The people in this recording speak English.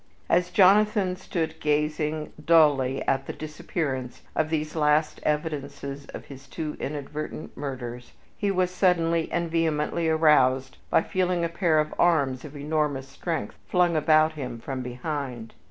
As Jonathan stood gazing dully at the disappearance of these last evidences of his two inadvertent murders, he was suddenly and vehemently aroused by feeling a pair of arms of enormous strength flung about him from behind.